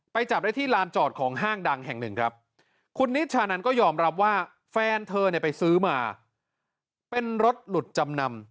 จับได้ที่ลานจอดของห้างดังแห่งหนึ่งครับคุณนิชชานันก็ยอมรับว่าแฟนเธอเนี่ยไปซื้อมาเป็นรถหลุดจำนำ